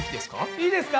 いいですか？